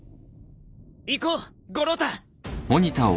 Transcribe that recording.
行こう五郎太！